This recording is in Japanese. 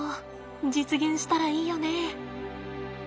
実現したらいいよね。